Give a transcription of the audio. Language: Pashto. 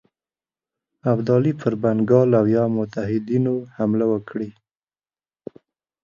ابدالي پر بنګال او یا متحدینو حمله وکړي.